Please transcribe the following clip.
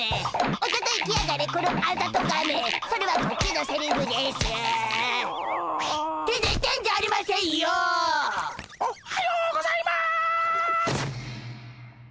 おっはようございます。